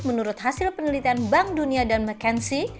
menurut hasil penelitian bank dunia dan mckenzi